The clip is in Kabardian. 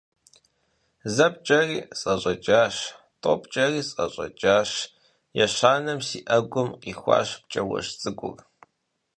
Зэ пкӀэри, сӀэщӀэкӀащ, тӀэу пкӀэри, сӀэщӀэкӀащ, ещанэм си Ӏэгум къихуащ пкӀауэжь цӀыкӀур.